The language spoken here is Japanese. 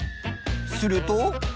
すると。